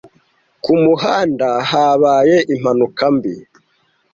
Kumuhanda habaye impanuka mbi